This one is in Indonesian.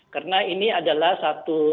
karena ini adalah satu